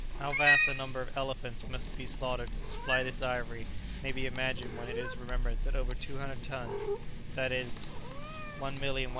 How vast a number of elephants must be slaughtered to supply this ivory may be imagined when it is remembered that over 200 tons, that is, 1,125,000 lbs.